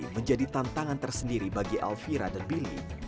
menjadi tantangan tersendiri bagi elvira dan billy